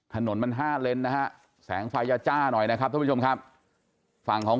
ถนนมัน๕เลนนะฮะแสงไฟยาจ้าหน่อยนะครับท่านผู้ชมครับฝั่งของ